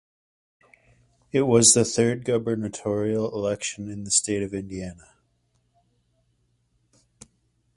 It was the third gubernatorial election in the State of Indiana.